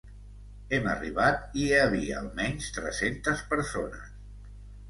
Hem arribat i hi havia almenys tres-centes persones.